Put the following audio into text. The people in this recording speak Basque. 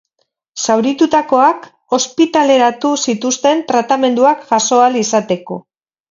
Zauritutakoak ospitaleratu zituzten tratamenduak jaso ahal izateko.